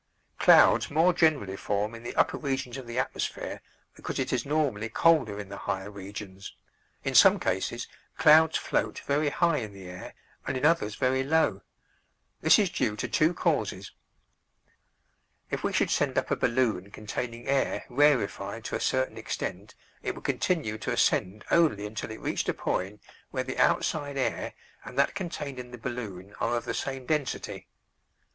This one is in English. Clouds more generally form in the upper regions of the atmosphere because it is normally colder in the higher regions. In some cases clouds float very high in the air and in others very low. This is due to two causes: If we should send up a balloon containing air rarefied to a certain extent it would continue to ascend only until it reached a point where the outside air and that contained in the balloon are of the same density.